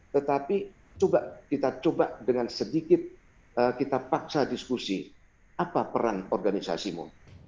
tetapi coba kita coba dengan sedikit kita paksa diskusi apa peran organisasimu